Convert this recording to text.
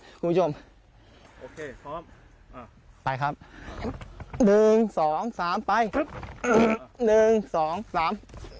คุณผู้ชมโอเคพร้อมอ่าไปครับหนึ่งสองสามไปครับหนึ่งหนึ่งสองสาม